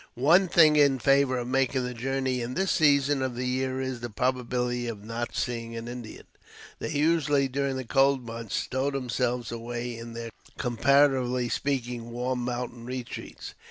One thing in favor of making the journey in this season of the year is, the probability of not seeing an Indian. They, usually, during the cold months, stow themselves away in their, comparatively speaking, warm mountain retreats.